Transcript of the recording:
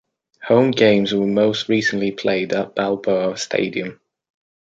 Home games were most recently played at Balboa Stadium.